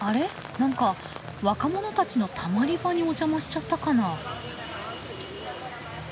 何か若者たちのたまり場にお邪魔しちゃったかな？